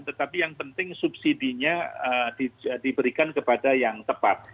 tetapi yang penting subsidinya diberikan kepada yang tepat